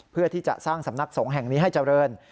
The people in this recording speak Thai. เพื่อที่จะสร้างสำนักสงฆ์แห่งนี้ให้เจริญ